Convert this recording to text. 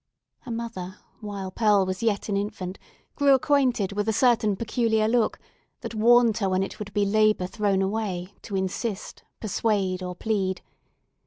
Her mother, while Pearl was yet an infant, grew acquainted with a certain peculiar look, that warned her when it would be labour thrown away to insist, persuade or plead.